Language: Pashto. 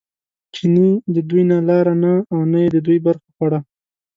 چیني له دوی نه لاره نه او نه یې د دوی برخه خوړه.